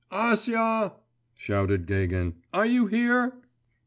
'Acia,' shouted Gagin, 'are you here?